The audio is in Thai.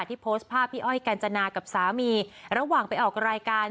โพสต์ภาพพี่อ้อยกัญจนากับสามีระหว่างไปออกรายการ